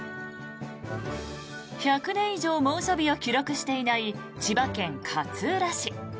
１００年以上、猛暑日を記録していない千葉県勝浦市。